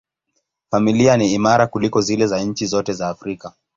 Familia ni imara kuliko zile za nchi zote za Afrika.